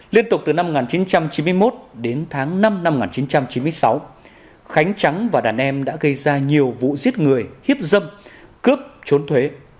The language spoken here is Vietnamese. liên tục từ năm một nghìn chín trăm chín mươi một đến tháng năm năm một nghìn chín trăm chín mươi sáu khánh trắng và đàn em đã gây ra nhiều vụ giết người hiếp dâm cướp trốn thuế